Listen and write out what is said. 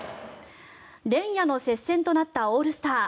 連夜の接戦となったオールスター。